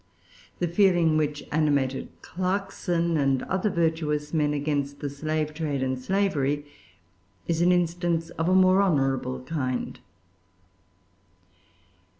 The feeling which animated Clarkson and other virtuous men against the slave trade and slavery is an instance of a more honorable kind.